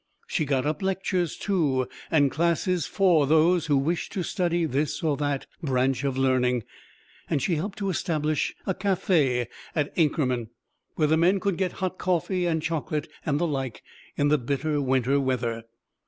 She got up lectures, too, and classes for those who wished to study this or that branch of learning; and she helped to establish a café at Inkerman, where the men could get hot coffee and chocolate and the like in the bitter winter weather.